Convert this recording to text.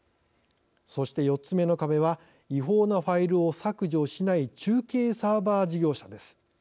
そして４つ目の壁は違法なファイルを削除しない中継サーバー事業者です。